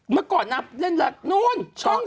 เมื่อก่อนนะนู่นช่อง๓